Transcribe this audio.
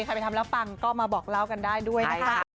ไปทำแล้วปังก็มาบอกเล่ากันได้ด้วยนะคะ